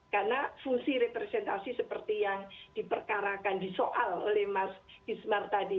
karena fungsi representasi seperti yang diperkarakan disoal oleh mas ismar tadi